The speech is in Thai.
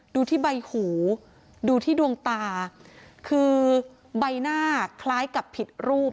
ดูที่ใบหูดูที่ดวงตาคือใบหน้าคล้ายกับผิดรูป